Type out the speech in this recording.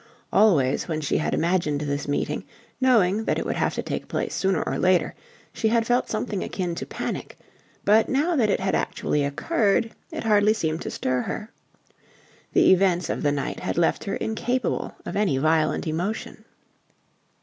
Always when she had imagined this meeting, knowing that it would have to take place sooner or later, she had felt something akin to panic: but now that it had actually occurred it hardly seemed to stir her. The events of the night had left her incapable of any violent emotion.